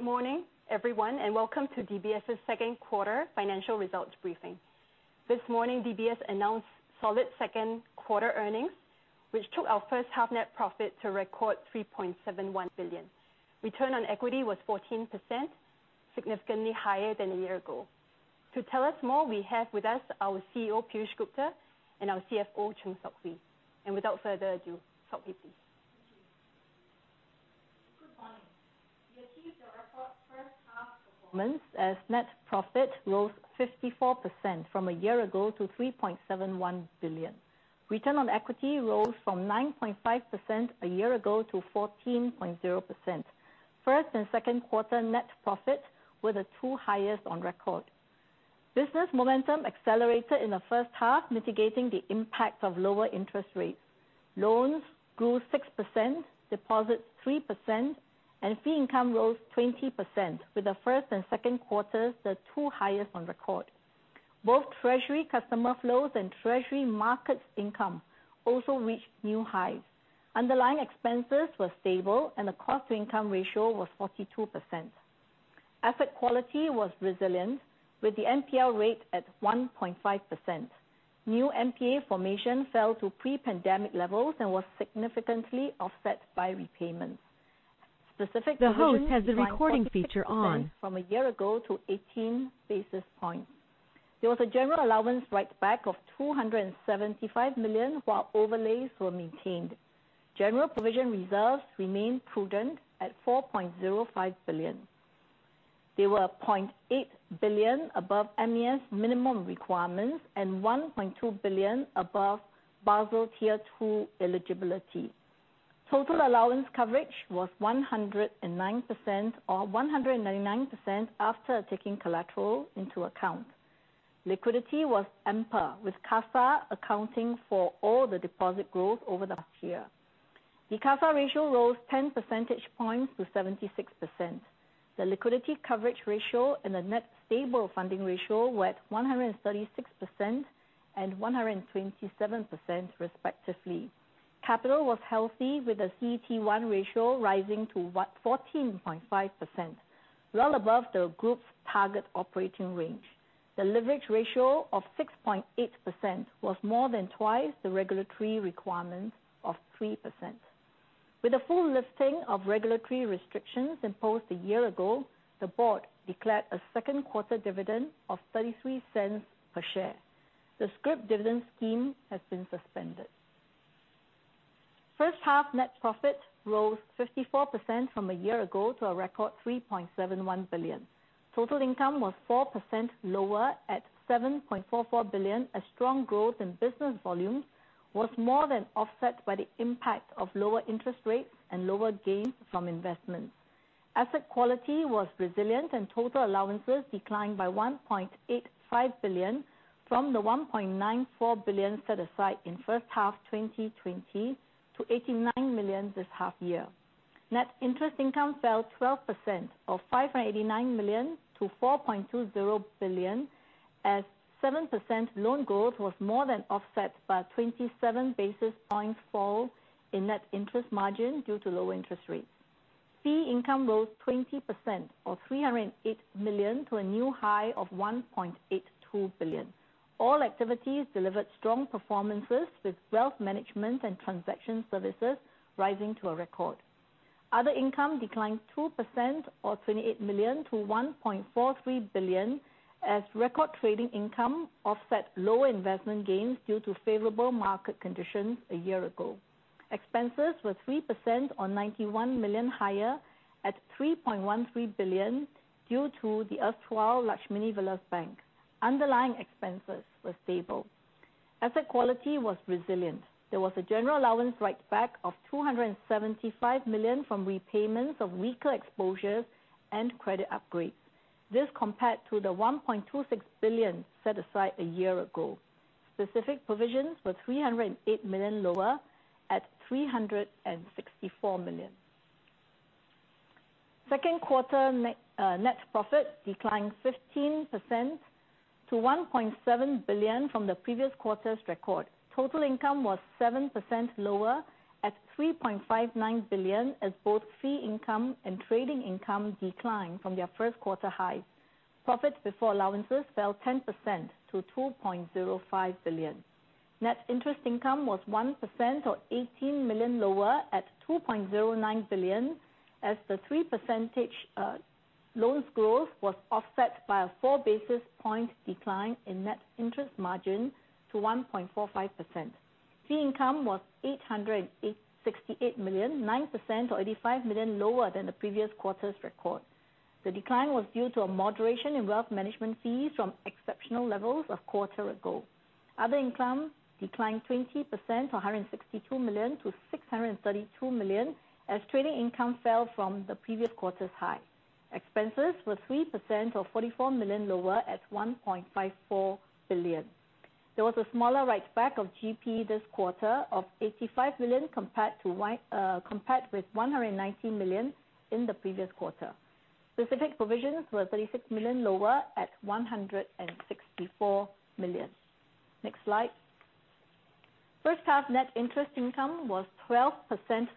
Good morning, everyone, and welcome to DBS' second quarter financial results briefing. This morning, DBS announced solid second quarter earnings, which took our first half net profit to record 3.71 billion. Return on equity was 14%, significantly higher than a year ago. To tell us more, we have with us our CEO, Piyush Gupta, and our CFO, Chng Sok Hui. Without further ado, Sok Hui, please. Thank you. Good morning. We achieved a record first half performance as net profit rose 54% from a year ago to SGD 3.71 billion. Return on equity rose from 9.5% a year ago to 14.0%. First and second quarter net profit were the two highest on record. Business momentum accelerated in the first half, mitigating the impact of lower interest rates. Loans grew 6%, deposits 3%, and fee income rose 20%, with the first and second quarters the two highest on record. Both treasury customer flows and treasury markets income also reached new highs. Underlying expenses were stable, and the cost-to-income ratio was 42%. Asset quality was resilient, with the NPL rate at 1.5%. New NPA formation fell to pre-pandemic levels and was significantly offset by repayments. Specific provisions declined 46% from a year ago to 18 basis points. There was a general allowance write-back of 275 million, while overlays were maintained. General provision reserves remained prudent at 4.05 billion. They were 0.8 billion above MAS minimum requirements and 1.2 billion above Basel Tier 2 eligibility. Total allowance coverage was 109%, or 199% after taking collateral into account. Liquidity was ample, with CASA accounting for all the deposit growth over the past year. The CASA ratio rose 10 percentage points to 76%. The liquidity coverage ratio and the net stable funding ratio were at 136% and 127%, respectively. Capital was healthy, with the CET1 ratio rising to 14.5%, well above the group's target operating range. The leverage ratio of 6.8% was more than twice the regulatory requirement of 3%. With the full lifting of regulatory restrictions imposed a year ago, the board declared a second quarter dividend of 0.33 per share. The scrip dividend scheme has been suspended. First half net profit rose 54% from a year ago to a record SGD 3.71 billion. Total income was 4% lower at SGD 7.44 billion, as strong growth in business volumes was more than offset by the impact of lower interest rates and lower gains from investments. Asset quality was resilient, and total allowances declined by 1.85 billion from the 1.94 billion set aside in first half 2020 to 89 million this half year. Net interest income fell 12%, or 589 million to 4.20 billion, as 7% loan growth was more than offset by a 27 basis point fall in net interest margin due to low interest rates. Fee income rose 20%, or 308 million to a new high of 1.82 billion. All activities delivered strong performances, with wealth management and transaction services rising to a record. Other income declined 2%, or 28 million to 1.43 billion, as record trading income offset low investment gains due to favorable market conditions a year ago. Expenses were 3%, or 91 million higher at 3.13 billion due to the erstwhile Lakshmi Vilas Bank. Underlying expenses were stable. Asset quality was resilient. There was a general allowance write-back of 275 million from repayments of weaker exposures and credit upgrades. This compared to the 1.26 billion set aside a year ago. Specific provisions were 308 million lower at 364 million. Second quarter net profit declined 15% to 1.7 billion from the previous quarter's record. Total income was 7% lower at 3.59 billion, as both fee income and trading income declined from their first quarter highs. Profits before allowances fell 10% to 2.05 billion. Net interest income was 1%, or 18 million lower at 2.09 billion, as the 3% loans growth was offset by a 4 basis point decline in net interest margin to 1.45%. Fee income was 868 million, 9%, or 85 million lower than the previous quarter's record. The decline was due to a moderation in wealth management fees from exceptional levels a quarter ago. Other income declined 20%, or 162 million to 632 million, as trading income fell from the previous quarter's high. Expenses were 3%, or 44 million lower at 1.54 billion. There was a smaller write-back of GP this quarter of 85 million, compared with 190 million in the previous quarter. Specific provisions were 36 million lower at 164 million. Next slide. First half net interest income was 12%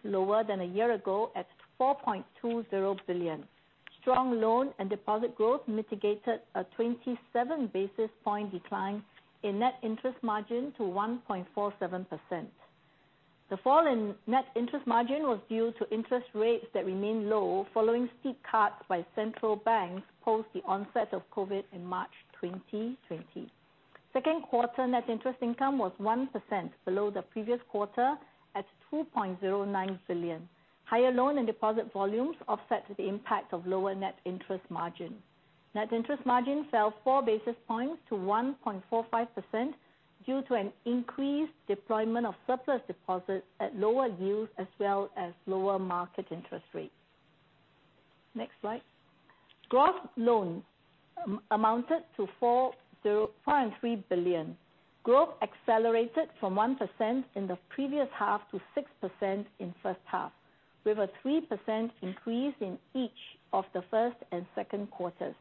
lower than a year ago at 4.20 billion. Strong loan and deposit growth mitigated a 27 basis point decline in net interest margin to 1.47%. The fall in net interest margin was due to interest rates that remain low following steep cuts by central banks post the onset of COVID in March 2020. Second quarter net interest income was 1% below the previous quarter at 2.09 billion. Higher loan and deposit volumes offset the impact of lower net interest margin. Net interest margin fell 4 basis points to 1.45% due to an increased deployment of surplus deposits at lower yields, as well as lower market interest rates. Next slide. Gross loans amounted to 4.3 billion. Growth accelerated from 1% in the previous half to 6% in the first half, with a 3% increase in each of the first and second quarters.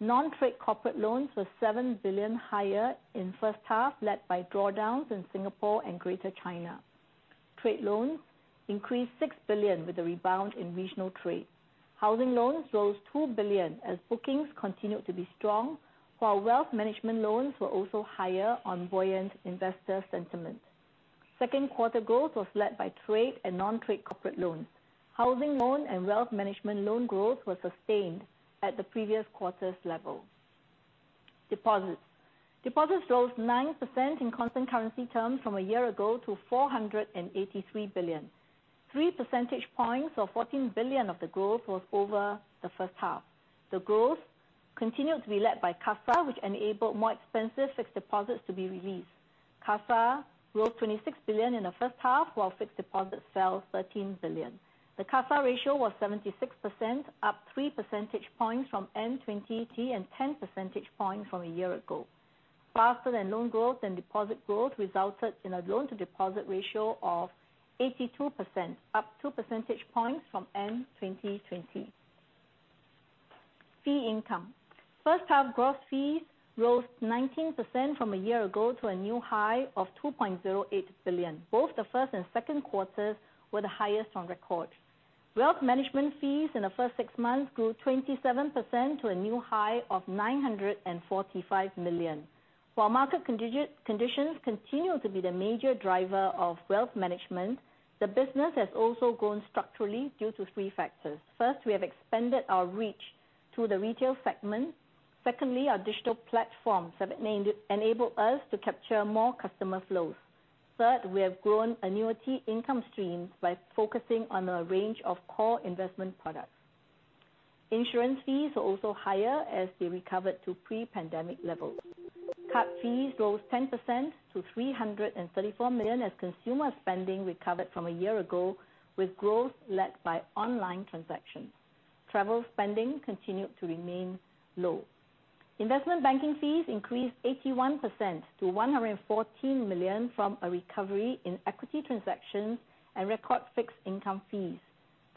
Non-trade corporate loans were 7 billion higher in the first half, led by drawdowns in Singapore and Greater China. Trade loans increased 6 billion with a rebound in regional trade. Housing loans rose 2 billion as bookings continued to be strong, while wealth management loans were also higher on buoyant investor sentiment. Second quarter growth was led by trade and non-trade corporate loans. Housing loan and wealth management loan growth were sustained at the previous quarter's level. Deposits. Deposits rose 9% in constant currency terms from a year ago to 483 billion. 3 percentage points of 14 billion of the growth was over the first half. The growth continued to be led by CASA, which enabled more expensive fixed deposits to be released. CASA grew 26 billion in the first half, while fixed deposits fell 13 billion. The CASA ratio was 76%, up three percentage points from end 2020, and 10 percentage points from a year ago. Faster than loan growth and deposit growth resulted in a loan-to-deposit ratio of 82%, up two percentage points from end 2020. Fee income. First half gross fees rose 19% from a year ago to a new high of 2.08 billion. Both the first and second quarters were the highest on record. Wealth management fees in the first six months grew 27% to a new high of 945 million. While market conditions continue to be the major driver of wealth management, the business has also grown structurally due to three factors. First, we have expanded our reach to the retail segment. Secondly, our digital platforms have enabled us to capture more customer flows. Third, we have grown annuity income streams by focusing on a range of core investment products. Insurance fees are also higher as they recovered to pre-pandemic levels. Card fees rose 10% to 334 million as consumer spending recovered from a year ago, with growth led by online transactions. Travel spending continued to remain low. Investment banking fees increased 81% to 114 million from a recovery in equity transactions and record fixed income fees.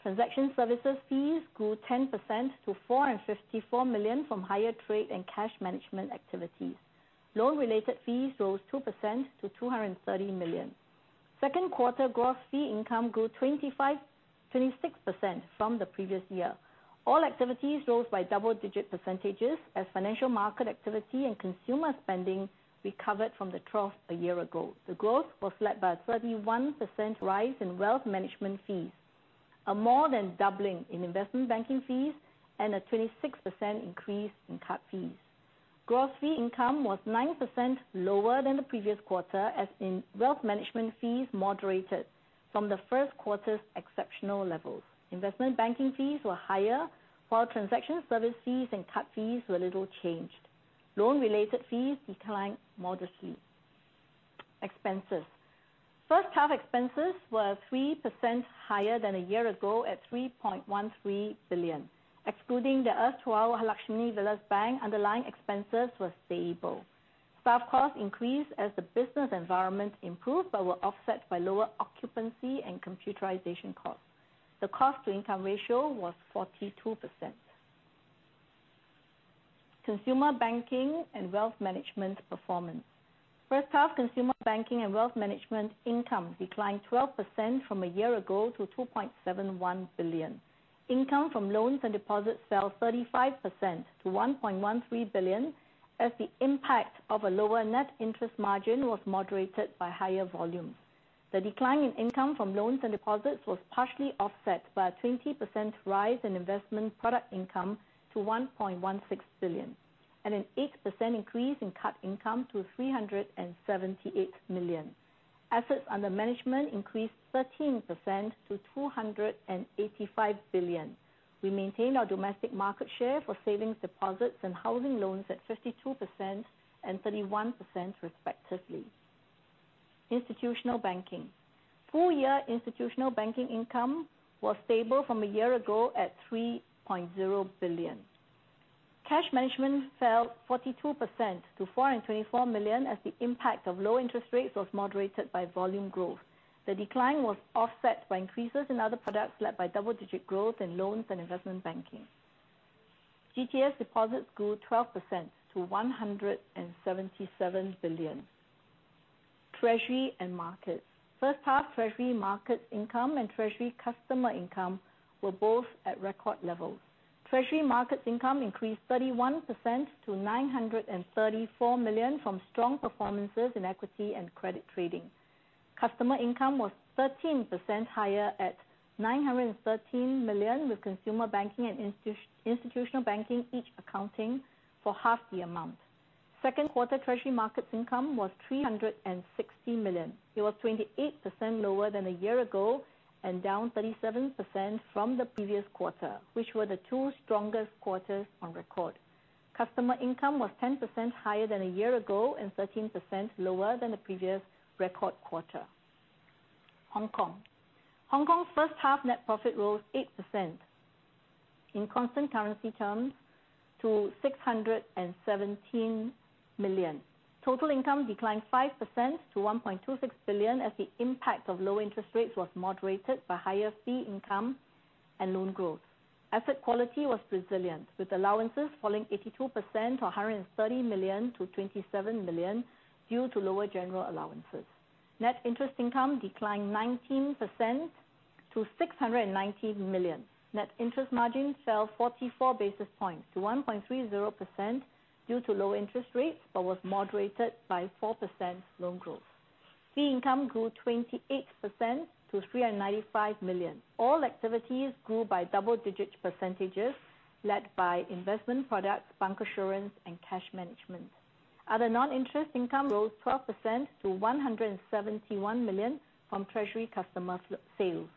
Transaction services fees grew 10% to SGD 454 million from higher trade and cash management activities. Loan-related fees rose 2% to SGD 230 million. Second quarter gross fee income grew 26% from the previous year. All activities rose by double-digit percentages as financial market activity and consumer spending recovered from the trough a year ago. The growth was led by a 31% rise in wealth management fees, a more than doubling in investment banking fees, and a 26% increase in card fees. Gross fee income was 9% lower than the previous quarter, as in wealth management fees moderated from the first quarter's exceptional levels. Investment banking fees were higher, while transaction service fees and card fees were little changed. Loan-related fees declined modestly. Expenses. First half expenses were 3% higher than a year ago at 3.13 billion. Excluding the erstwhile Lakshmi Vilas Bank, underlying expenses were stable. Staff costs increased as the business environment improved but were offset by lower occupancy and computerization costs. The cost-to-income ratio was 42%. Consumer banking and wealth management performance. First half consumer banking and wealth management income declined 12% from a year ago to 2.71 billion. Income from loans and deposits fell 35% to 1.13 billion as the impact of a lower net interest margin was moderated by higher volumes. The decline in income from loans and deposits was partially offset by a 20% rise in investment product income to 1.16 billion, and an 8% increase in card income to 378 million. Assets under management increased 13% to 285 billion. We maintained our domestic market share for savings deposits and housing loans at 52% and 31%, respectively. Institutional banking. Full year Institutional banking income was stable from a year ago at 3.0 billion. Cash management fell 42% to 424 million as the impact of low interest rates was moderated by volume growth. The decline was offset by increases in other products, led by double-digit growth in loans and investment banking. GTS deposits grew 12% to 177 billion. Treasury and Markets. First half Treasury Market income and Treasury Customer income were both at record levels. Treasury Markets income increased 31% to 934 million from strong performances in equity and credit trading. Customer income was 13% higher at 913 million, with Consumer banking and Institutional banking each accounting for half the amount. Second quarter treasury markets income was 360 million. It was 28% lower than a year ago and down 37% from the previous quarter, which were the two strongest quarters on record. Customer income was 10% higher than a year ago and 13% lower than the previous record quarter. Hong Kong. Hong Kong's first half net profit rose 8% in constant currency terms to 617 million. Total income declined 5% to 1.26 billion as the impact of low interest rates was moderated by higher fee income and loan growth. Asset quality was resilient, with allowances falling 82% or 130 million to 27 million due to lower general allowances. Net interest income declined 19% to 690 million. Net interest margin fell 44 basis points to 1.30% due to low interest rates, was moderated by 4% loan growth. Fee income grew 28% to 395 million. All activities grew by double-digit percentages led by investment products, bancassurance, and cash management. Other non-interest income rose 12% to 171 million from treasury customer sales.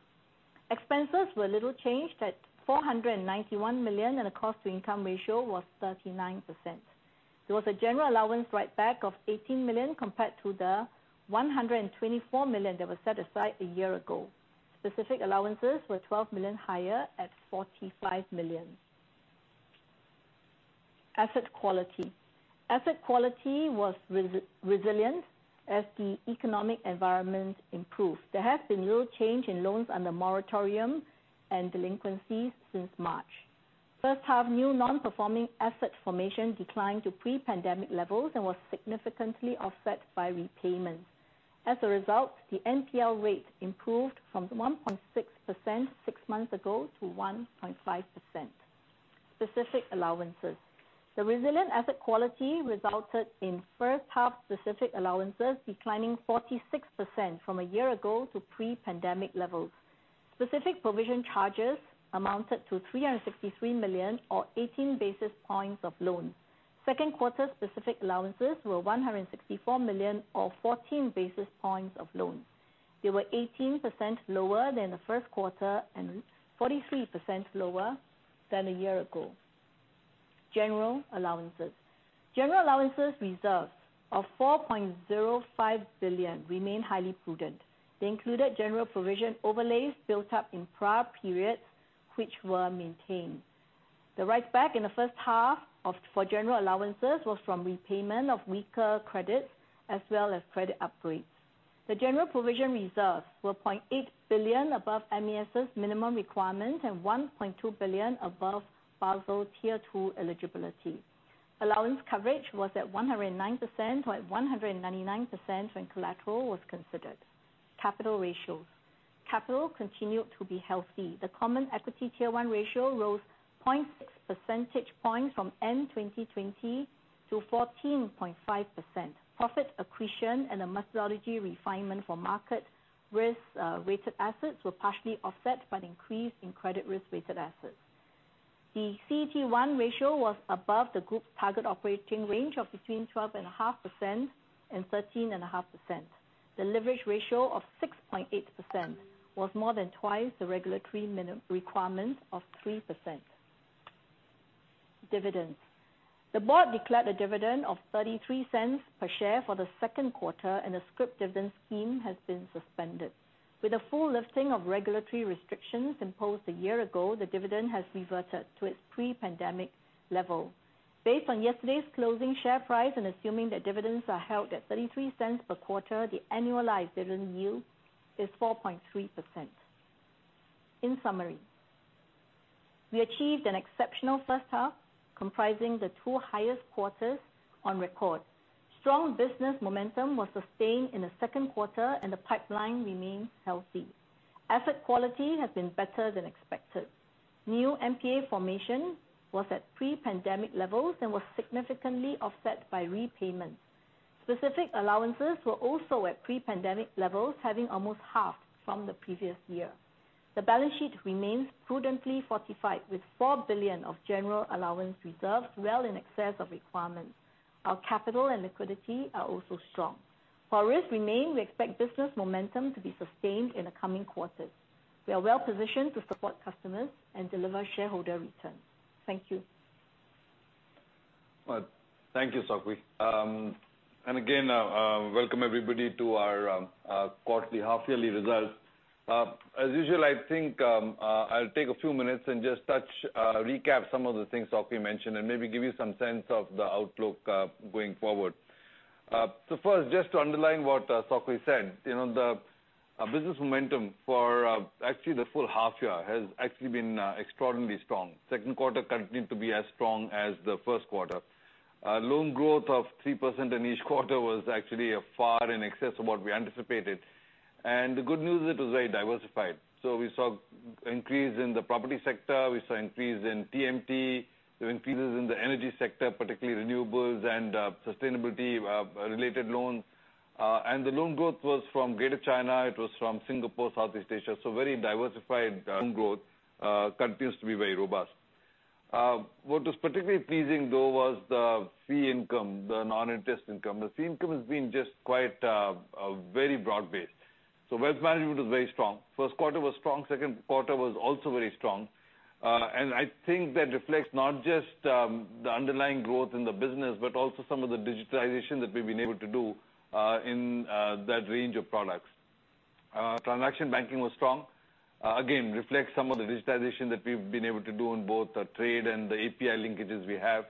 Expenses were little changed at 491 million, the cost-to-income ratio was 39%. There was a general allowance write-back of 18 million compared to the 124 million that was set aside a year ago. Specific allowances were 12 million higher at 45 million. Asset quality. Asset quality was resilient as the economic environment improved. There has been little change in loans under moratorium and delinquencies since March. First half new non-performing asset formation declined to pre-pandemic levels, was significantly offset by repayments. The NPL rate improved from 1.6% six months ago to 1.5%. Specific allowances. The resilient asset quality resulted in first half specific allowances declining 46% from a year ago to pre-pandemic levels. Specific provision charges amounted to 363 million or 18 basis points of loans. Second quarter specific allowances were 164 million or 14 basis points of loans. They were 18% lower than the first quarter and 43% lower than a year ago. General allowances. General allowances reserves of 4.05 billion remain highly prudent. They included general provision overlays built up in prior periods, which were maintained. The write-back in the first half for general allowances was from repayment of weaker credits as well as credit upgrades. The general provision reserves were 0.8 billion above MAS's minimum requirement and 1.2 billion above Basel Tier 2 eligibility. Allowance coverage was at 109%, or 199% when collateral was considered. Capital ratios. Capital continued to be healthy. The common equity Tier 1 ratio rose 0.6 percentage points from end 2020 to 14.5%. Profit accretion and a methodology refinement for market risk-weighted assets were partially offset by an increase in credit risk-weighted assets. The CET1 ratio was above the group target operating range of between 12.5% and 13.5%. The leverage ratio of 6.8% was more than twice the regulatory minimum requirement of 3%. Dividends. The board declared a dividend of 0.33 per share for the second quarter, and a scrip dividend scheme has been suspended. With a full lifting of regulatory restrictions imposed a year ago, the dividend has reverted to its pre-pandemic level. Based on yesterday's closing share price and assuming that dividends are held at 0.33 per quarter, the annualized dividend yield is 4.3%. In summary, we achieved an exceptional first half comprising the two highest quarters on record. Strong business momentum was sustained in the second quarter and the pipeline remains healthy. Asset quality has been better than expected. New NPA formation was at pre-pandemic levels and was significantly offset by repayments. Specific allowances were also at pre-pandemic levels, having almost halved from the previous year. The balance sheet remains prudently fortified with 4 billion of general allowance reserves, well in excess of requirements. Our capital and liquidity are also strong. While risks remain, we expect business momentum to be sustained in the coming quarters. We are well positioned to support customers and deliver shareholder returns. Thank you. Thank you, Sok Hui. Again, welcome everybody to our quarterly half yearly results. As usual, I think I'll take a few minutes and just touch, recap some of the things Sok Hui mentioned, and maybe give you some sense of the outlook going forward. First, just to underline what Sok Hui said, the business momentum for actually the full half year has actually been extraordinarily strong. Second quarter continued to be as strong as the first quarter. Loan growth of 3% in each quarter was actually far in excess of what we anticipated. The good news, it was very diversified. We saw increase in the property sector, we saw increase in TMT, we saw increases in the energy sector, particularly renewables and sustainability-related loans. The loan growth was from Greater China, it was from Singapore, Southeast Asia. Very diversified loan growth, continues to be very robust. What was particularly pleasing though was the fee income, the non-interest income. The fee income has been just quite very broad-based. Wealth management was very strong. First quarter was strong, second quarter was also very strong. I think that reflects not just the underlying growth in the business, but also some of the digitalization that we've been able to do in that range of products. Transaction banking was strong. Again, reflects some of the digitalization that we've been able to do on both the trade and the API linkages we have.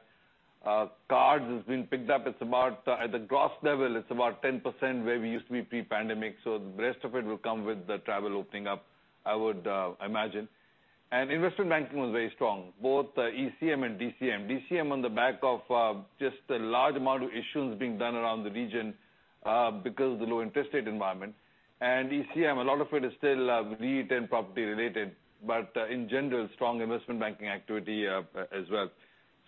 Cards has been picked up. At the gross level, it's about 10% where we used to be pre-pandemic, so the rest of it will come with the travel opening up, I would imagine. Investment banking was very strong, both ECM and DCM. DCM on the back of just the large amount of issuance being done around the region because of the low interest rate environment. ECM, a lot of it is still retail and property related, but in general, strong investment banking activity as well.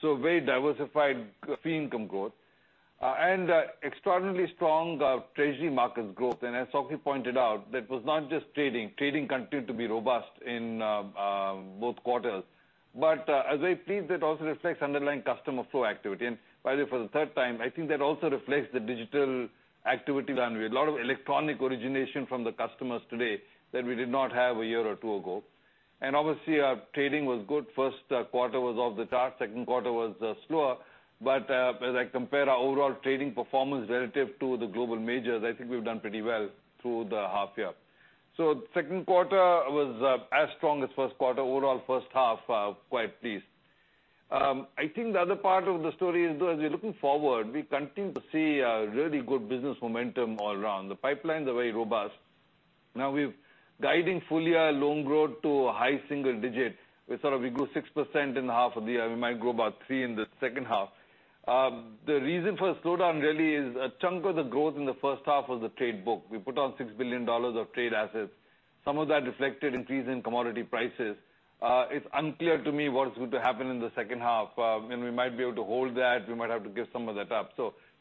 Very diversified fee income growth. Extraordinarily strong treasury markets growth. As Sok Hui pointed out, that was not just trading. Trading continued to be robust in both quarters. As I said, that also reflects underlying customer flow activity. By the way, for the third time, I think that also reflects the digital activity line. We have a lot of electronic origination from the customers today that we did not have a year or two ago. Obviously, our trading was good. First quarter was off the charts, second quarter was slower. As I compare our overall trading performance relative to the global majors, I think we've done pretty well through the half year. The second quarter was as strong as first quarter. Overall first half, quite pleased. I think the other part of the story is, though, as we're looking forward, we continue to see really good business momentum all around. The pipelines are very robust. Now we're guiding full year loan growth to high single digit, we thought if we grow 6% in the half of the year, we might grow about 3% in the second half. The reason for slowdown really is a chunk of the growth in the first half was the trade book. We put on 6 billion dollars of trade assets. Some of that reflected increase in commodity prices. It's unclear to me what is going to happen in the second half. We might be able to hold that, we might have to give some of that up.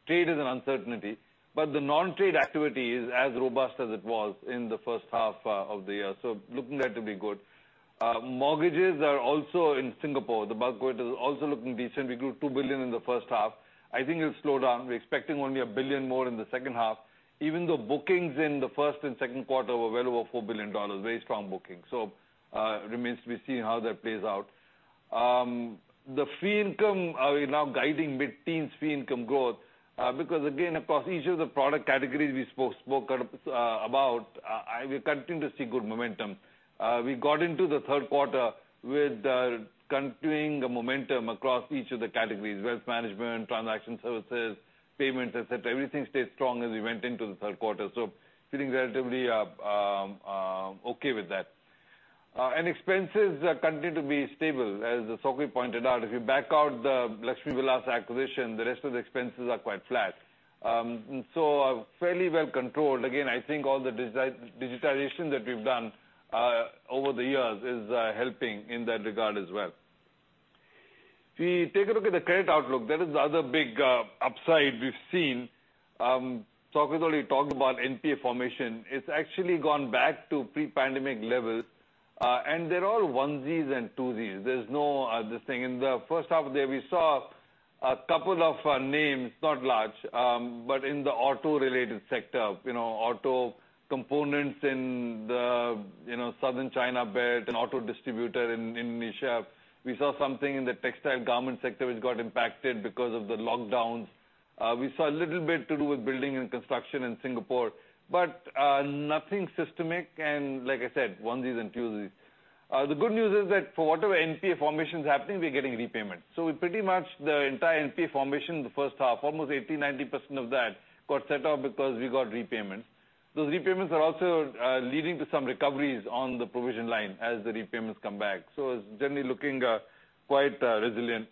Trade is an uncertainty, but the non-trade activity is as robust as it was in the first half of the year. Looking there to be good. Mortgages are also in Singapore, the bulk of it is also looking decent. We grew 2 billion in the first half. I think it'll slow down. We're expecting only 1 billion more in the second half, even though bookings in the first and second quarter were well over 4 billion dollars, very strong booking. It remains to be seen how that plays out. The fee income, we're now guiding mid-teens fee income growth because again, across each of the product categories we spoke about, we continue to see good momentum. We got into the third quarter with continuing momentum across each of the categories, wealth management, transaction services, payments, et cetera. Everything stayed strong as we went into the third quarter. Feeling relatively okay with that. Expenses continue to be stable. As Sok Hui pointed out, if you back out the Lakshmi Vilas acquisition, the rest of the expenses are quite flat. Fairly well controlled. Again, I think all the digitalization that we've done over the years is helping in that regard as well. If we take a look at the credit outlook, that is the other big upside we've seen. Sok Hui's already talked about NPA formation. It's actually gone back to pre-pandemic levels, and they're all onesies and twosies. There's no other thing. In the first half there, we saw two names, not large, but in the auto-related sector, auto components in the Southern China belt and auto distributor in Indonesia. We saw something in the textile garment sector which got impacted because of the lockdowns. We saw a little bit to do with building and construction in Singapore, but nothing systemic, and like I said, onesies and twosies. The good news is that for whatever NPA formation is happening, we're getting repayment. Pretty much the entire NPA formation in the first half, almost 80%-90% of that got set off because we got repayments. Those repayments are also leading to some recoveries on the provision line as the repayments come back. It's generally looking quite resilient.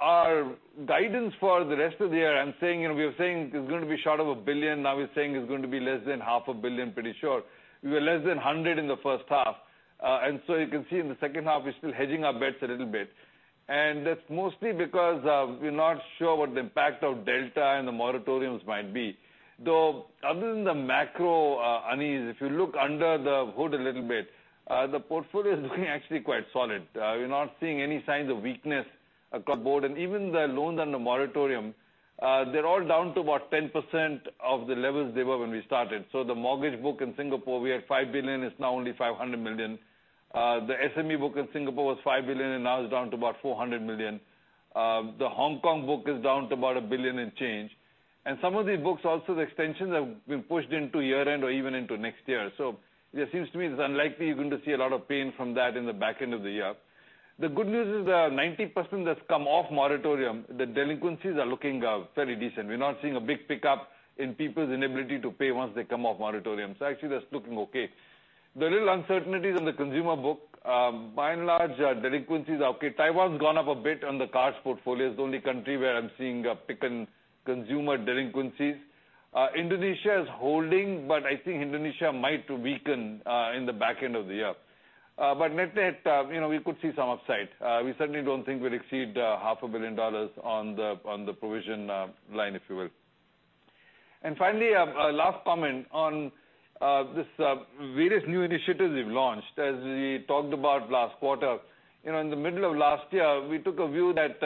Our guidance for the rest of the year, we were saying it's going to be short of 1 billion, now we're saying it's going to be less than 500 million, pretty sure. We were less than 100 million in the first half. You can see in the second half, we're still hedging our bets a little bit. That's mostly because we're not sure what the impact of Delta and the moratoriums might be. Other than the macro unease, if you look under the hood a little bit, the portfolio is looking actually quite solid. We're not seeing any signs of weakness across the board, even the loans under moratorium, they're all down to about 10% of the levels they were when we started. The mortgage book in Singapore, we had 5 billion, it's now only 500 million. The SME book in Singapore was 5 billion and now it's down to about 400 million. The Hong Kong book is down to about 1 billion and change. Some of these books also, the extensions have been pushed into year-end or even into next year. It seems to me it's unlikely you're going to see a lot of pain from that in the back end of the year. The good news is that 90% that's come off moratorium, the delinquencies are looking very decent. We're not seeing a big pickup in people's inability to pay once they come off moratorium. Actually, that's looking okay. The real uncertainties in the consumer book, by and large, delinquencies are okay. Taiwan's gone up a bit on the cards portfolio. It's the only country where I'm seeing a pick in consumer delinquencies. Indonesia is holding, but I think Indonesia might weaken in the back end of the year. Net, we could see some upside. We certainly don't think we'll exceed 500 million dollars on the provision line, if you will. Finally, a last comment on these various new initiatives we've launched, as we talked about last quarter. In the middle of last year, we took a view that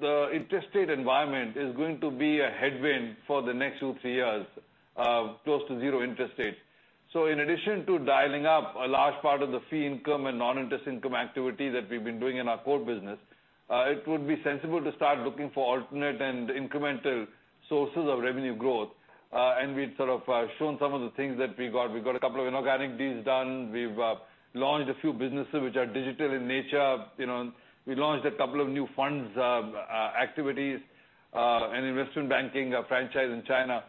the interest rate environment is going to be a headwind for the next two, three years, close to zero interest rates. In addition to dialing up a large part of the fee income and non-interest income activity that we've been doing in our core business, it would be sensible to start looking for alternate and incremental sources of revenue growth. We've sort of shown some of the things that we've got. We've got a couple of inorganic deals done. We've launched a few businesses which are digital in nature. We launched a couple of new funds activities, an investment banking franchise in China.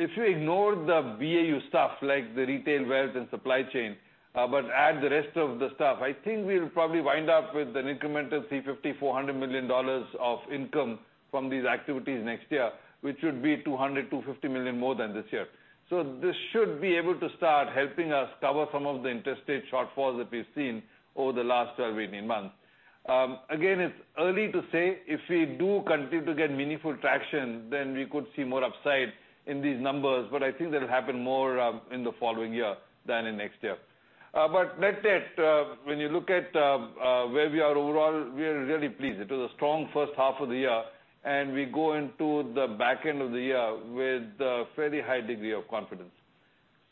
If you ignore the BAU like the retail, wealth, and supply chain, but add the rest of the stuff, I think we'll probably wind up with an incremental 350 million dollars, SGD 400 million of income from these activities next year, which would be 200 million, 250 million more than this year. This should be able to start helping us cover some of the interest rate shortfalls that we've seen over the last 12, 18 months. Again, it's early to say. If we do continue to get meaningful traction, then we could see more upside in these numbers, but I think that'll happen more in the following year than in next year. That said, when you look at where we are overall, we are really pleased. It was a strong first half of the year, and we go into the back end of the year with a fairly high degree of confidence.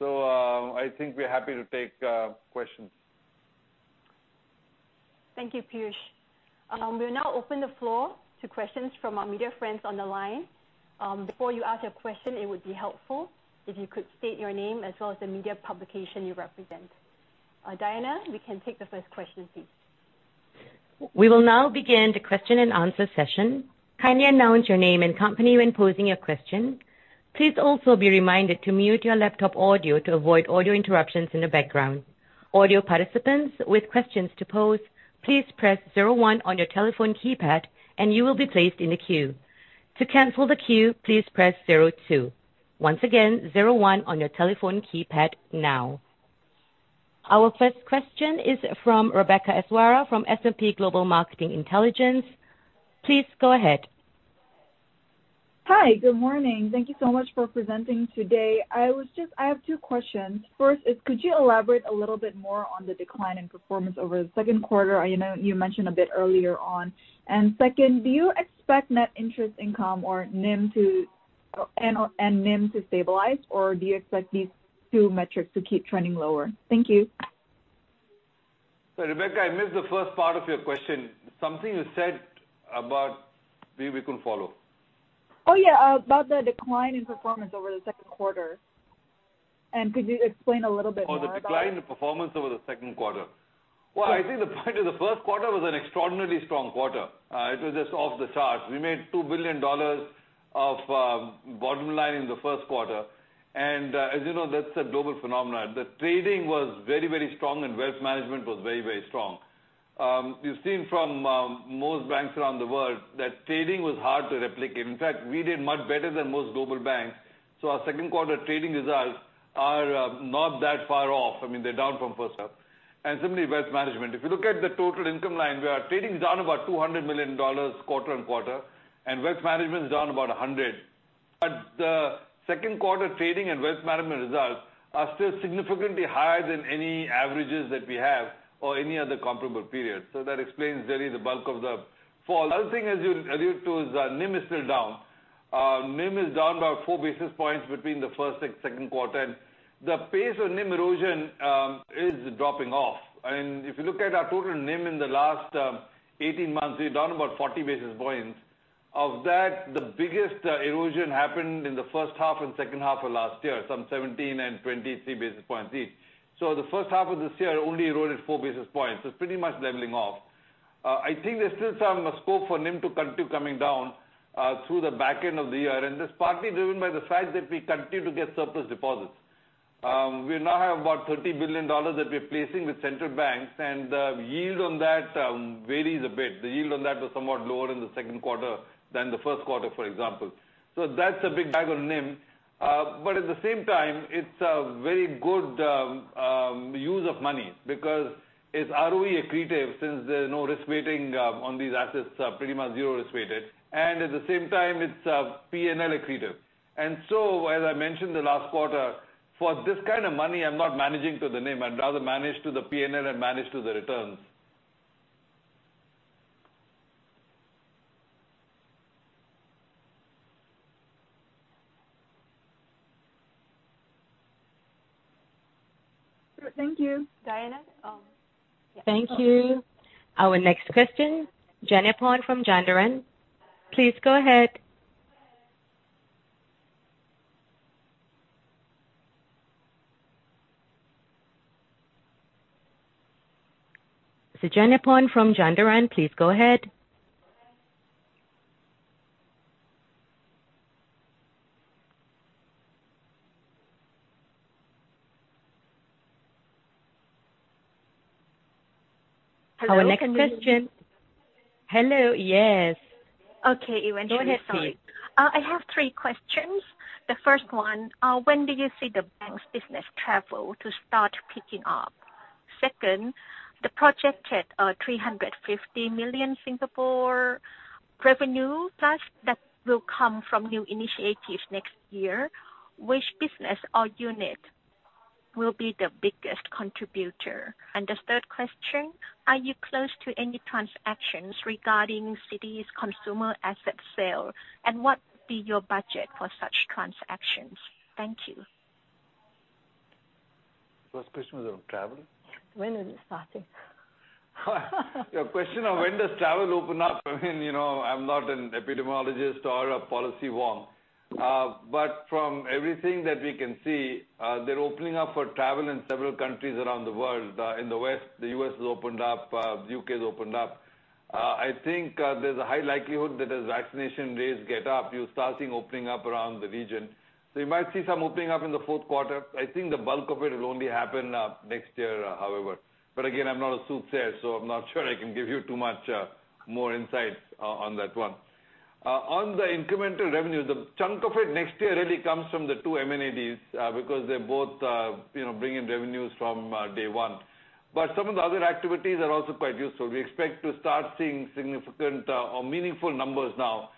I think we're happy to take questions. Thank you, Piyush. We'll now open the floor to questions from our media friends on the line. Before you ask a question, it would be helpful if you could state your name as well as the media publication you represent. Diana, we can take the first question, please. We will now begin the question and answer session. Kindly announce your name and company when posing a question. Please also be reminded to mute your laptop audio to avoid audio interruptions in the background. Audio participants with questions to pose, please press zero one on your telephone keypad and you will be placed in a queue. To cancel the queue, please press zero two. Once again, zero one on your telephone keypad now. Our first question is from Rebecca Isjwara from S&P Global Market Intelligence. Please go ahead. Hi. Good morning. Thank you so much for presenting today. I have two questions. First is could you elaborate a little bit more on the decline in performance over the second quarter? I know you mentioned a bit earlier on. Second, do you expect net interest income and NIM to stabilize, or do you expect these two metrics to keep trending lower? Thank you. Rebecca, I missed the first part of your question. Something you said about maybe we could follow. Oh, yeah. About the decline in performance over the second quarter. Could you explain a little bit more about it? Oh, the decline in performance over the second quarter. Well, I think the point of the first quarter was an extraordinarily strong quarter. It was just off the charts. We made 2 billion dollars of bottom line in the first quarter, and as you know, that's a global phenomenon. The trading was very strong and wealth management was very strong. You've seen from most banks around the world that trading was hard to replicate. In fact, we did much better than most global banks, so our second quarter trading results are not that far off. I mean, they're down from first half. Similarly, wealth management. If you look at the total income line, trading is down about 200 million dollars quarter-on-quarter, and wealth management is down about 100 million. The second quarter trading and wealth management results are still significantly higher than any averages that we have or any other comparable period. That explains really the bulk of the fall. The other thing as you allude to is that NIM is still down. NIM is down about 4 basis points between the first and second quarter, and the pace of NIM erosion is dropping off. If you look at our total NIM in the last 18 months, it's down about 40 basis points. Of that, the biggest erosion happened in the first half and second half of last year, some 17 and 23 basis points each. The first half of this year only eroded 4 basis points. It's pretty much leveling off. I think there's still some scope for NIM to continue coming down through the back end of the year. That's partly driven by the fact that we continue to get surplus deposits. We now have about 30 billion dollars that we're placing with central banks. The yield on that varies a bit. The yield on that was somewhat lower in the second quarter than the first quarter, for example. That's a big drag on NIM. At the same time, it's a very good use of money because it's ROE accretive since there's no risk weighting on these assets, pretty much zero risk-weighted, and at the same time, it's P&L accretive. As I mentioned the last quarter, for this kind of money, I'm not managing to the NIM. I'd rather manage to the P&L and manage to the returns. Thank you. Diana? Thank you. Our next question, [Chanyaporn Chanjaroen]. Please go ahead. [Chanyaporn Chanjaroen], please go ahead. Hello. Our next question. Hello. Yes. Okay, eventually. Sorry. Go ahead, sweetie. I have three questions. The first one, when do you see the bank's business travel to start picking up? Second, the projected 350 million revenue plus that will come from new initiatives next year, which business or unit will be the biggest contributor? The third question, are you close to any transactions regarding Citi's consumer asset sale, and what would be your budget for such transactions? Thank you. First question was on travel? When is it starting? Your question on when does travel open up, I'm not an epidemiologist or a policy wonk. From everything that we can see, they're opening up for travel in several countries around the world. In the West, the U.S. has opened up. U.K. has opened up. I think there's a high likelihood that as vaccination rates get up, you'll start seeing opening up around the region. You might see some opening up in the fourth quarter. I think the bulk of it will only happen next year, however. Again, I'm not a soothsayer, so I'm not sure I can give you too much more insight on that one. On the incremental revenues, a chunk of it next year really comes from the two M&As because they're both bringing revenues from day one. Some of the other activities are also quite useful. We expect to start seeing significant or meaningful numbers now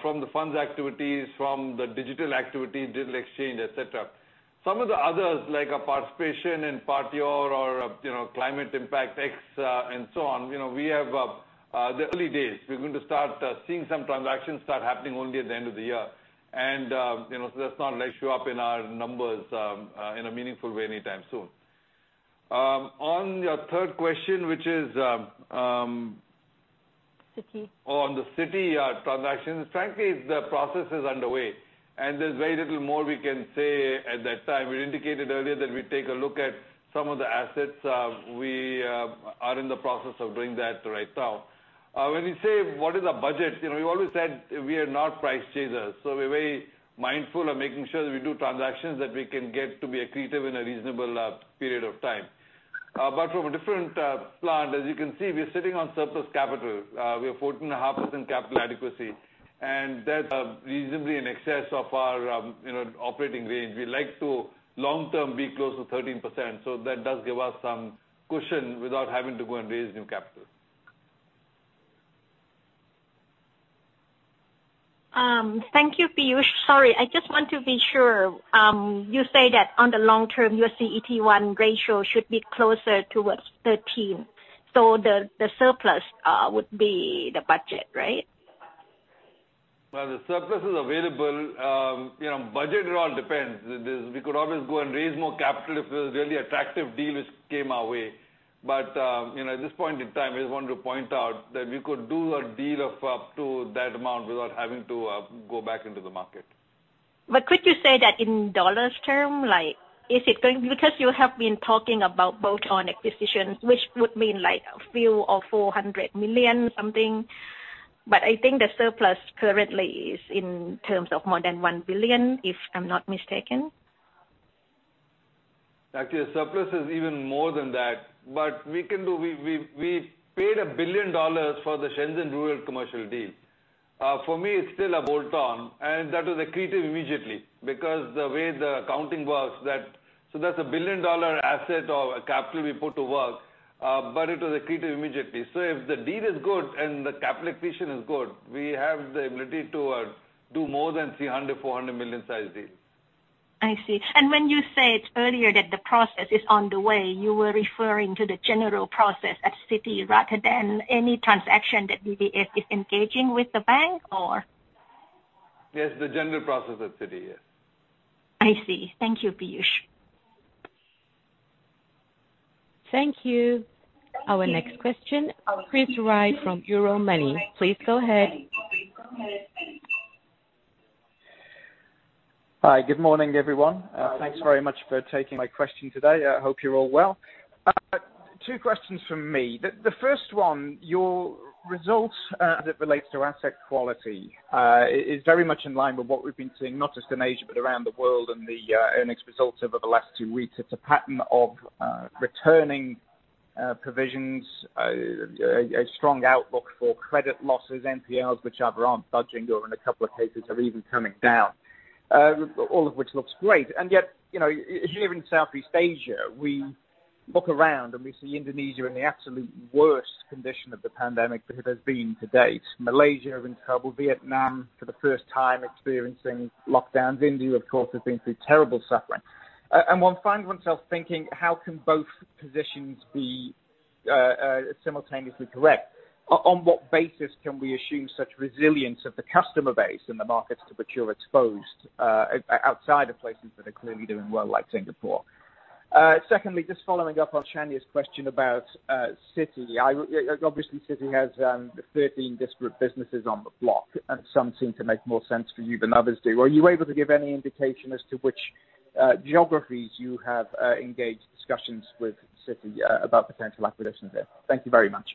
from the funds activities, from the digital activity, digital exchange, et cetera. Some of the others, like our participation in Partior or Climate Impact X and so on, we have the early days. We're going to start seeing some transactions start happening only at the end of the year. That's not going to show up in our numbers in a meaningful way anytime soon. On your third question. Citi On the Citi transactions, frankly, the process is underway, and there's very little more we can say at that time. We indicated earlier that we'd take a look at some of the assets. We are in the process of doing that right now. When you say what is our budget, we've always said we are not price chasers. We're very mindful of making sure that we do transactions that we can get to be accretive in a reasonable period of time. From a different plan, as you can see, we're sitting on surplus capital. We have 14.5% capital adequacy, and that's reasonably in excess of our operating range. We like to long-term be close to 13%. That does give us some cushion without having to go and raise new capital. Thank you, Piyush. Sorry, I just want to be sure. You say that on the long term, your CET1 ratio should be closer towards 13%, so the surplus would be the budget, right? The surplus is available. Budget, it all depends. We could always go and raise more capital if a really attractive deal came our way. At this point in time, we just wanted to point out that we could do a deal of up to that amount without having to go back into the market. Could you say that in dollars term? Because you have been talking about bolt-on acquisitions, which would mean a few or 400 million something, but I think the surplus currently is in terms of more than 1 billion, if I'm not mistaken. Actually, the surplus is even more than that, but we paid 1 billion dollars for the Shenzhen Rural Commercial deal. For me, it's still a bolt-on, and that was accretive immediately because the way the accounting works, so that's a billion-dollar asset or capital we put to work, but it was accretive immediately. If the deal is good and the capital efficient is good, we have the ability to do more than 300 million, 400 million size deals. I see. When you said earlier that the process is on the way, you were referring to the general process at Citi rather than any transaction that DBS is engaging with the bank, or? Yes, the general process at Citi, yes. I see. Thank you, Piyush. Thank you. Our next question, Chris Wright from Euromoney. Please go ahead. Hi, good morning, everyone. Thanks very much for taking my question today. I hope you're all well. Two questions from me. The first one, your results as it relates to asset quality is very much in line with what we've been seeing, not just in Asia, but around the world and the earnings results over the last two weeks. It's a pattern of returning provisions, a strong outlook for credit losses, NPLs which either aren't budging or in a couple of cases are even coming down, all of which looks great. Yet, here in Southeast Asia, we look around and we see Indonesia in the absolute worst condition of the pandemic that it has been to date. Malaysia in trouble, Vietnam for the first time experiencing lockdowns. India, of course, has been through terrible suffering. One finds oneself thinking, how can both positions be simultaneously correct. On what basis can we assume such resilience of the customer base in the markets to which you're exposed outside of places that are clearly doing well, like Singapore? Secondly, just following up on Chanya's question about Citi. Obviously, Citi has 13 disparate businesses on the block, and some seem to make more sense for you than others do. Are you able to give any indication as to which geographies you have engaged discussions with Citi about potential acquisitions there? Thank you very much.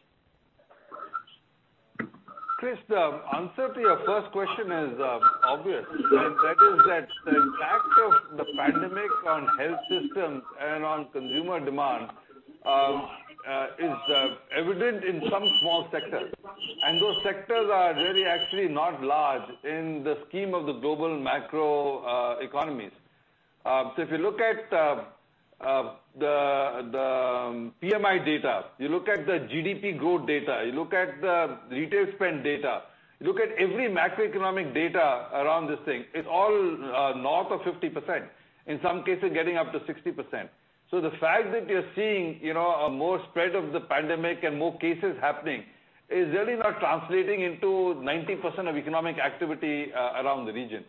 Chris, the answer to your first question is obvious. That is that the impact of the pandemic on health systems and on consumer demand is evident in some small sectors. Those sectors are really actually not large in the scheme of the global macro economies. If you look at the PMI data, you look at the GDP growth data, you look at the retail spend data, you look at every macroeconomic data around this thing, it's all north of 50%. In some cases, getting up to 60%. The fact that you're seeing more spread of the pandemic and more cases happening is really not translating into 90% of economic activity around the region.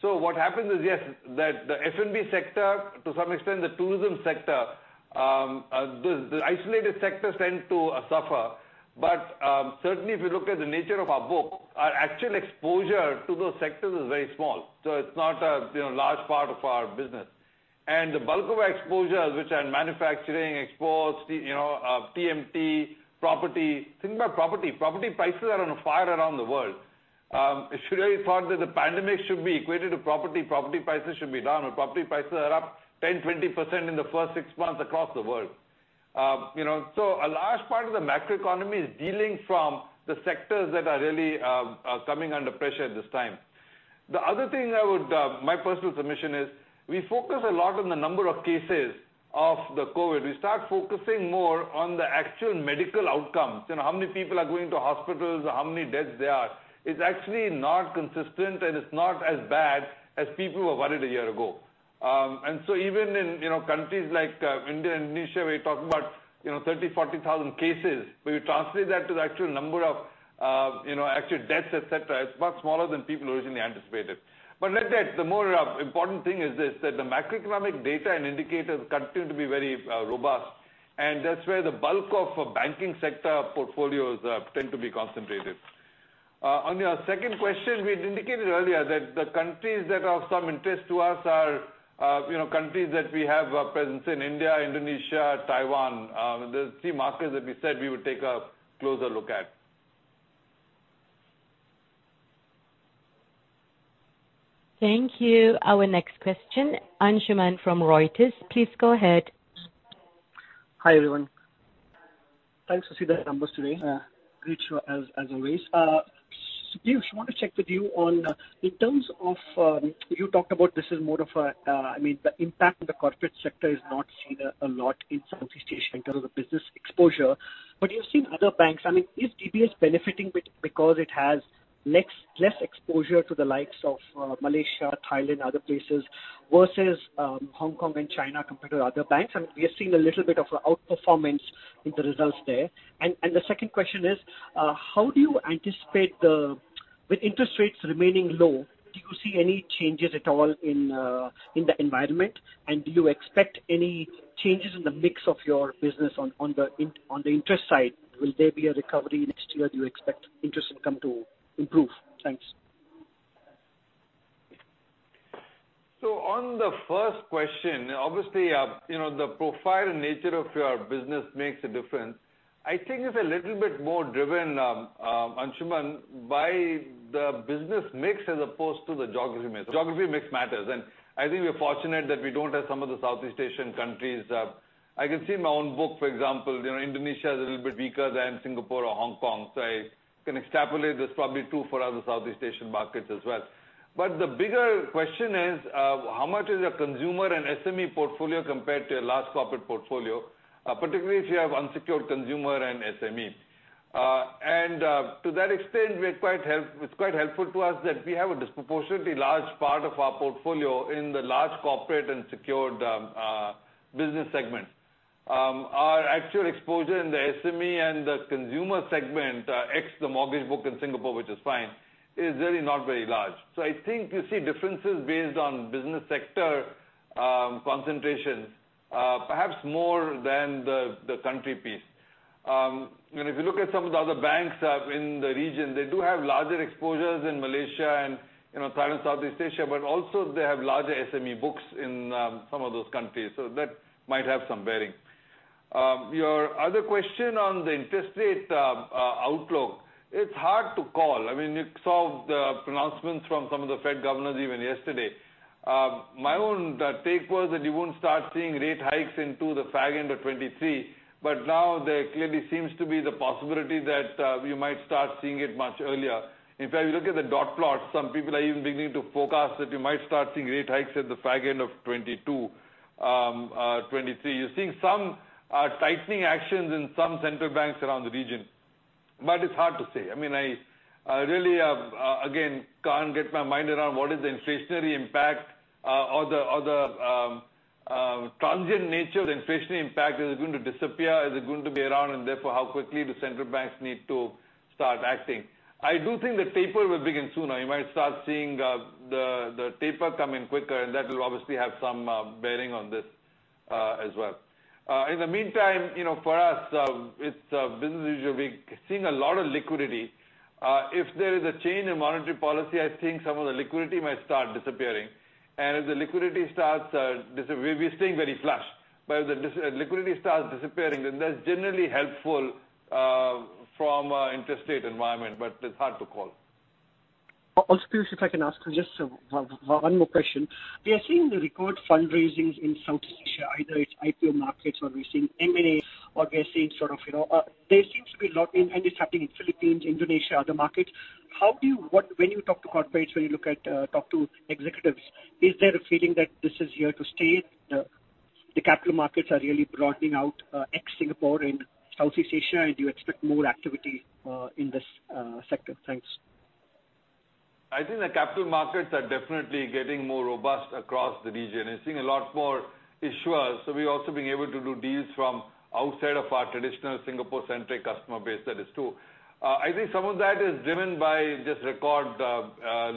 What happens is, yes, that the F&B sector, to some extent the tourism sector, the isolated sectors tend to suffer. Certainly if you look at the nature of our book, our actual exposure to those sectors is very small. It is not a large part of our business. The bulk of our exposures, which are in manufacturing, exports, TMT, property. Think about property. Property prices are on fire around the world. Should I have thought that the pandemic should be equated to property prices should be down, but property prices are up 10%, 20% in the first six months across the world. A large part of the macroeconomy is dealing from the sectors that are really coming under pressure at this time. The other thing, my personal submission is, we focus a lot on the number of cases of the COVID. We start focusing more on the actual medical outcomes, how many people are going to hospitals, how many deaths there are. It's actually not consistent, and it's not as bad as people were worried a year ago. Even in countries like India and Indonesia, where you're talking about 30,000, 40,000 cases, when you translate that to the actual number of actual deaths, et cetera, it's much smaller than people originally anticipated. The more important thing is this, that the macroeconomic data and indicators continue to be very robust, and that's where the bulk of banking sector portfolios tend to be concentrated. On your second question, we had indicated earlier that the countries that are of some interest to us are countries that we have a presence in India, Indonesia, Taiwan. They're three markets that we said we would take a closer look at. Thank you. Our next question, Anshuman from Reuters. Please go ahead. Hi, everyone. Thanks to see the numbers today. Great show as always. Piyush, just want to check with you on, in terms of, you talked about this is more of The impact on the corporate sector is not seen a lot in Southeast Asia in terms of business exposure. You've seen other banks, is DBS benefiting because it has less exposure to the likes of Malaysia, Thailand, other places, versus Hong Kong and China compared to other banks? We have seen a little bit of outperformance with the results there. The second question is, how do you anticipate With interest rates remaining low, do you see any changes at all in the environment? Do you expect any changes in the mix of your business on the interest side? Will there be a recovery next year? Do you expect interest income to improve? Thanks. On the first question, obviously, the profile and nature of your business makes a difference. I think it's a little bit more driven, Anshuman, by the business mix as opposed to the geography mix. Geography mix matters. I think we're fortunate that we don't have some of the Southeast Asian countries. I can see in my own book, for example, Indonesia is a little bit weaker than Singapore or Hong Kong. I can extrapolate that's probably true for other Southeast Asian markets as well. The bigger question is, how much is your consumer and SME portfolio compared to your large corporate portfolio, particularly if you have unsecured consumer and SME? To that extent, it's quite helpful to us that we have a disproportionately large part of our portfolio in the large corporate and secured business segment. Our actual exposure in the SME and the consumer segment, ex the mortgage book in Singapore, which is fine, is really not very large. I think you see differences based on business sector concentration perhaps more than the country piece. If you look at some of the other banks in the region, they do have larger exposures in Malaysia and Thailand, Southeast Asia, but also they have larger SME books in some of those countries. That might have some bearing. Your other question on the interest rate outlook, it's hard to call. You saw the pronouncements from some of the Fed governors even yesterday. My own take was that you won't start seeing rate hikes into the far end of 2023, but now there clearly seems to be the possibility that we might start seeing it much earlier. In fact, if you look at the dot plots, some people are even beginning to forecast that you might start seeing rate hikes at the far end of 2022, 2023. You're seeing some tightening actions in some central banks around the region. It's hard to say. I really, again, can't get my mind around what is the inflationary impact or the transient nature of the inflationary impact. Is it going to disappear? Is it going to be around, and therefore how quickly do central banks need to start acting? I do think that taper will begin sooner. You might start seeing the taper come in quicker, and that will obviously have some bearing on this as well. In the meantime, for us, it's business as usual. We're seeing a lot of liquidity. If there is a change in monetary policy, I think some of the liquidity might start disappearing. We're staying very flush, but if the liquidity starts disappearing, then that's generally helpful from an interest rate environment, but it's hard to call. Piyush, if I can ask just one more question. We are seeing the record fundraisings in Southeast Asia, either it's IPO markets or we're seeing M&A or we are seeing there seems to be a lot, and it's happening in Philippines, Indonesia, other markets. When you talk to corporates, when you talk to executives, is there a feeling that this is here to stay? The capital markets are really broadening out ex Singapore in Southeast Asia. Do you expect more activity in this sector? Thanks. I think the capital markets are definitely getting more robust across the region and seeing a lot more issuers. We're also being able to do deals from outside of our traditional Singapore-centric customer base. That is true. I think some of that is driven by just record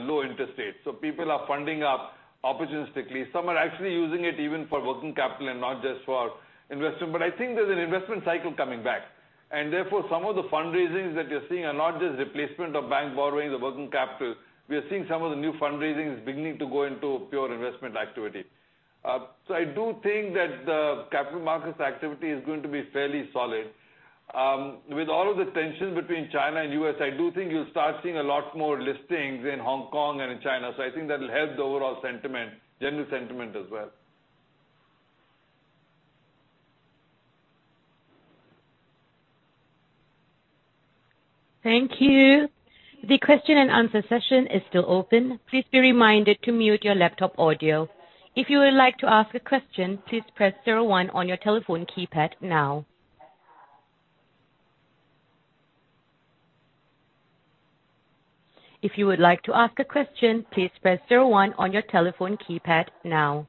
low interest rates. People are funding up opportunistically. Some are actually using it even for working capital and not just for investment. I think there's an investment cycle coming back, and therefore, some of the fundraisings that you're seeing are not just replacement of bank borrowings or working capital. We are seeing some of the new fundraisings beginning to go into pure investment activity. I do think that the capital markets activity is going to be fairly solid. With all of the tensions between China and U.S., I do think you'll start seeing a lot more listings in Hong Kong and in China. I think that'll help the overall sentiment, general sentiment as well. Thank you. The question and answer session is still open. Please be reminded to mute your laptop audio. If you would like to ask a question, please press zero one on your telephone keypad now. If you would like to ask a question, please press one on your telephone keypad now.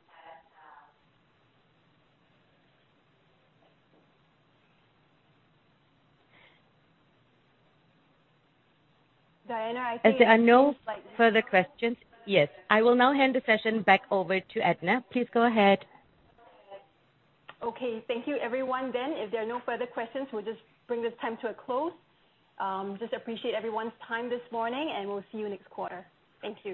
Diana, As there are no further questions, yes. I will now hand the session back over to Edna. Please go ahead. Okay, thank you, everyone then. If there are no further questions, we'll just bring this time to a close. Just appreciate everyone's time this morning, and we'll see you next quarter. Thank you.